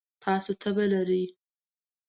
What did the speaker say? تاسو تبه لرئ؟